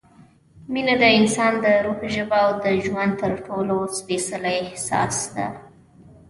مینه – د انسان د روح ژبه او د ژوند تر ټولو سپېڅلی احساس